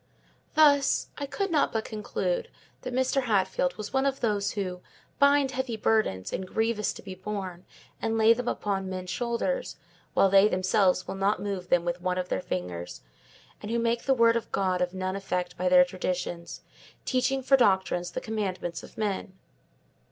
Thus, I could not but conclude that Mr. Hatfield was one of those who "bind heavy burdens, and grievous to be borne, and lay them upon men's shoulders, while they themselves will not move them with one of their fingers"; and who "make the word of God of none effect by their traditions, teaching for doctrines the commandments of men."